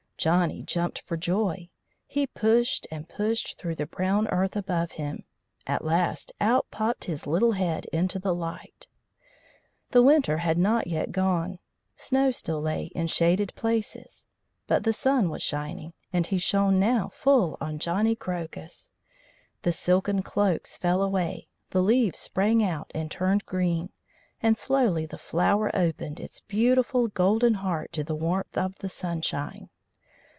Johnny jumped for joy. He pushed and pushed through the brown earth above him; at last out popped his little head into the light. The winter had not yet gone; snow still lay in shaded places. But the sun was shining, and he shone now full on Johnny Crocus. The silken cloaks fell away, the leaves sprang out and turned green, and slowly the flower opened its beautiful golden heart to the warmth of the sunshine.